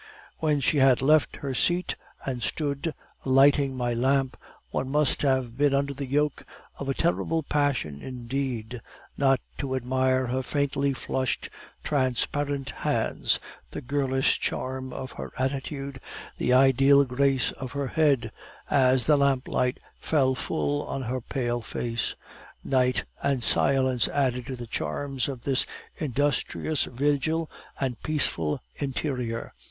When she had left her seat and stood lighting my lamp, one must have been under the yoke of a terrible passion indeed, not to admire her faintly flushed transparent hands, the girlish charm of her attitude, the ideal grace of her head, as the lamplight fell full on her pale face. Night and silence added to the charms of this industrious vigil and peaceful interior.